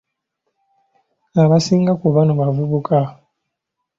Abasinga ku bano bavubuka.